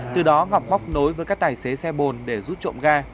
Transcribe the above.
từ đó ngọc móc nối với các tài xế xe bồn để rút trộm ga